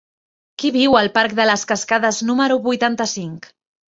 Qui viu al parc de les Cascades número vuitanta-cinc?